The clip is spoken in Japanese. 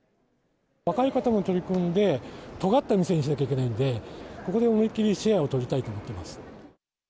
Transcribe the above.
若い方も取り込んで、とがった店にしなきゃいけないんで、ここで思い切りシェアを取りたいと思ってます。